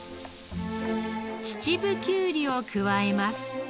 秩父きゅうりを加えます。